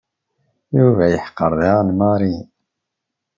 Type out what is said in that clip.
Yuba yeḥqer daɣen Mary.